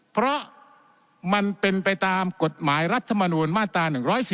เพราะมันเป็นไปตามกฎหมายรัฐมนูลมาตรา๑๔